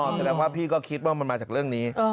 แสดงว่าพี่ก็คิดว่ามันมาจากเรื่องนี้